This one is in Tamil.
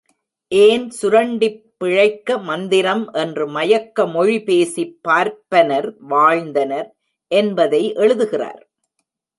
ஏன் சுரண்டிப் பிழைக்க மந்திரம் என்று மயக்கமொழி பேசிப் பார்ப்பனர் வாழ்ந்தனர் என்பதை எழுதுகிறார்.